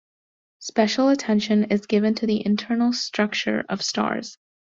Special attention is given to the internal structure of stars.